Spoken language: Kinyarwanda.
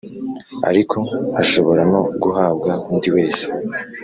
ariko ashobora no guhabwa undi wese